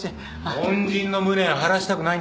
恩人の無念晴らしたくないんですか？